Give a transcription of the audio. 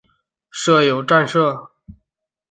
设有站舍。